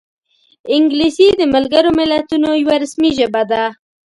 انګلیسي د ملګرو ملتونو یوه رسمي ژبه ده